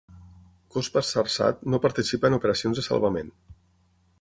Cospas-Sarsat no participa en operacions de salvament.